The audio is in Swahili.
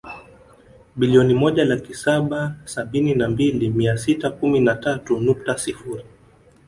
Bilioni moja laki saba sabini na mbili mia sita kumi na tatu nukta sifuri